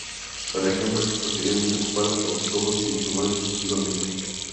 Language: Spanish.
La región fue posteriormente ocupada por visigodos y musulmanes sucesivamente.